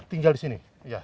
tinggal di sini